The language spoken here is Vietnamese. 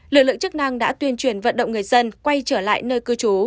lực lượng chức năng đã tuyên truyền vận động người dân quay trở lại nơi cư trú